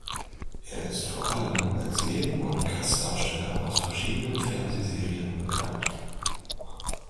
Er ist vor allem als Neben- und Gastdarsteller aus verschiedenen Fernsehserien bekannt.